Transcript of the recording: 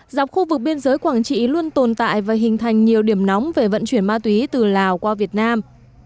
dọc khu vực biên giới quảng trị luôn tồn tại và hình thành nhiều điểm nóng về vận chuyển ma túy từ lào qua việt nam